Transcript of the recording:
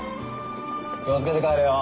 気を付けて帰れよ。